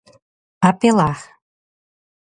apelar